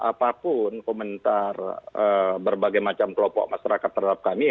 apapun komentar berbagai macam kelompok masyarakat terhadap kami